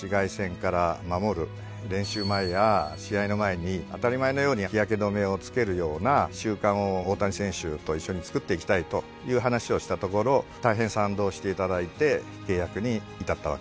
練習前や試合の前に当たり前のように日焼け止めを付けるような習慣を大谷選手と一緒につくっていきたいという話をしたところ大変賛同していただいて契約に至ったわけです。